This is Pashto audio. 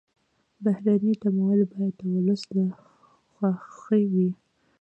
بهرني تمویل باید د ولس له خوښې وي.